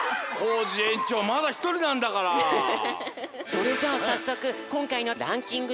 それじゃあさっそくこんかいのランキング